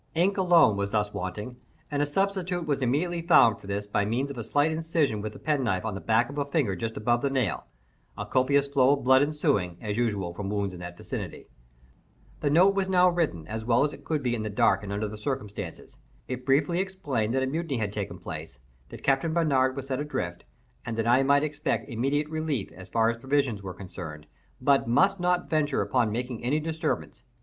Ink alone was thus wanting, and a substitute was immediately found for this by means of a slight incision with the pen knife on the back of a finger just above the nail—a copious flow of blood ensuing, as usual, from wounds in that vicinity. The note was now written, as well as it could be in the dark and under the circumstances. It briefly explained that a mutiny had taken place; that Captain Barnard was set adrift; and that I might expect immediate relief as far as provisions were concerned, but must not venture upon making any disturbance.